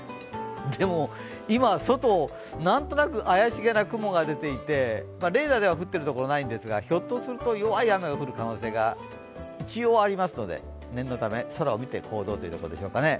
でも、今、外、なんとなく怪しげな雲が出ていてレーダーでは降ってるところないんですがひょっとすると弱い雨が降る可能性が一応ありますので念のため、空を見て行動というところでしょうかね。